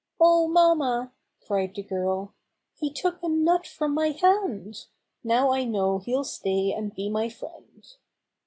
"Oh, mamma!" cried the girl. "He took a nut from my hand ! Now I know he'll stay and be my friend!"